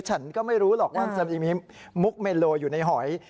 ฉันก็ไม่รู้หรอกว่ามุกเมโลอยู่ในหอย